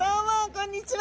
こんにちは。